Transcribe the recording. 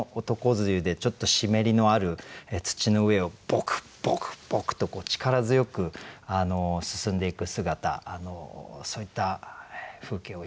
梅雨でちょっと湿りのある土の上をぼくぼくぼくと力強く進んでいく姿そういった風景を詠んでみました。